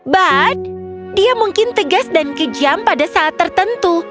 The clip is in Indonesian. but dia mungkin tegas dan kejam pada saat tertentu